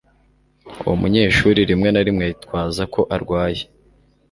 Uwo munyeshuri rimwe na rimwe yitwaza ko arwaye